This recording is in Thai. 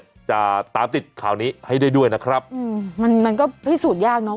แต่หมอปายืนยันบอกว่าเอาถ้าให้มาช่วยมีสิทธิ์ถึงตายนะ